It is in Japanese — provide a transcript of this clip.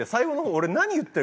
俺。